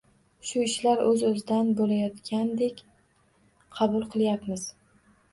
Shu ishlar oʻz-oʻzidan boʻlayotgandek qabul qilayapmiz.